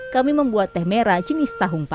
kami membuat teh merah jenis tahung pau